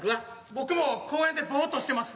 僕も公園でボーッとしてます。